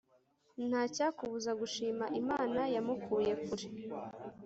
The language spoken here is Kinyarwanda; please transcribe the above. ntacyakubuza gushima imana yamukuye kure